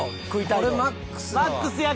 これマックスだわ。